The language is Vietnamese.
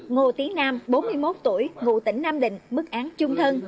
ngô tiến nam bốn mươi một tuổi ngụ tỉnh nam định mức án trung thân